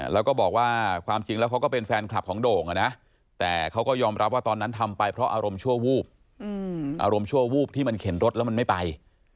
แล้วก็บอกว่าความจริงแล้วเขาก็เป็นแฟนคลับของโด่งแต่เขาก็ยอมรับว่าตอนนั้นทำไปเพราะอารมณ์ชั่ววูบอารมณ์ชั่ววูบที่มันเข็นรถแล้วมันไม่ไป